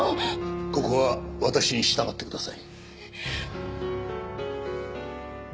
ここは私に従ってください。